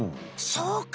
そうか。